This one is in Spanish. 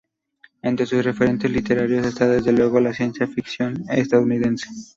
Entre sus referentes literarios está desde luego la ciencia ficción estadounidense.